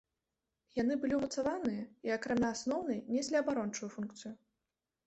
Яны былі ўмацаваныя і акрамя асноўнай неслі абарончую функцыю.